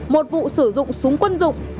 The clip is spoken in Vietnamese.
một vụ sử dụng súng quân dụng